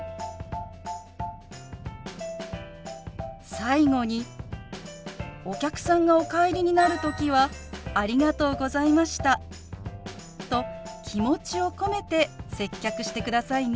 最後にお客さんがお帰りになる時は「ありがとうございました」と気持ちを込めて接客してくださいね。